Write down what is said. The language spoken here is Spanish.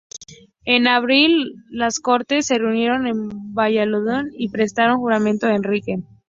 En abril, las Cortes se reunieron en Valladolid y prestaron juramento a Enrique.